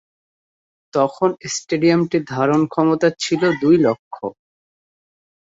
তখন স্টেডিয়ামটির ধারণক্ষমতা ছিলো দুই লক্ষ।